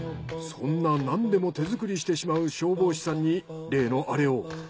そんななんでも手作りしてしまう消防士さんに例のアレを。